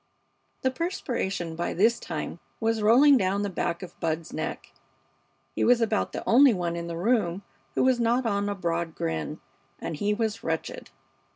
The perspiration by this time was rolling down the back of Bud's neck. He was about the only one in the room who was not on a broad grin, and he was wretched.